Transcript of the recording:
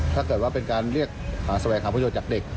ถ้าเกิดว่าเป็นการเรียกแสวงหาประโยชน์จากเด็ก